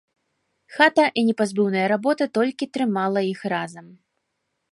Хата і непазбыўная работа толькі трымала іх разам.